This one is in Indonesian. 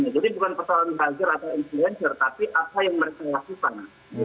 jadi bukan pertolongan buzzer atau influencer tapi apa yang mereka wakilkan